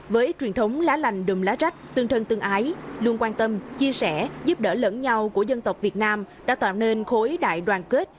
với truyền thống lá lành đùm lá rách tương thân tương ái luôn quan tâm chia sẻ giúp đỡ lẫn nhau của dân tộc việt nam đã tạo nên khối đại đoàn kết